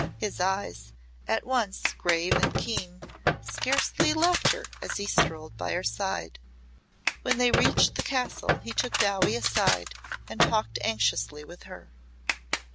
His eyes at once grave and keen scarcely left her as he strolled by her side. When they reached the Castle he took Dowie aside and talked anxiously with her.